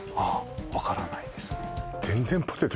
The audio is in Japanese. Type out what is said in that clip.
分からないです